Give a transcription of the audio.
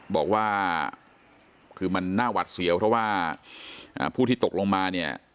บอกว่าคือมันน่าหวัดเสียวเพราะว่าผู้ที่ตกลงมาเนี่ย